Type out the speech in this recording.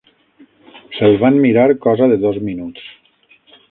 Se'l van mirar cosa de dos minuts